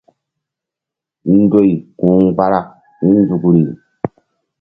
Ndoy ku̧ mgbarak hi̧ nzukri.